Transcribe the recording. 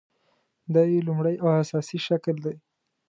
دا یې لومړۍ او اساسي شکل دی.